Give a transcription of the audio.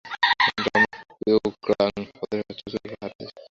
রুমা কেওক্রাডাং পথের সবচেয়ে উঁচু এই পাহাড় দেখতে অনেকটা ডিমের মতো।